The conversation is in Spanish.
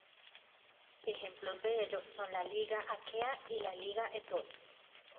Ejemplos de ello son la Liga Aquea y la Liga Etolia.